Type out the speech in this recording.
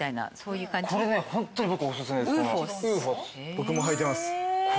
僕も履いてます。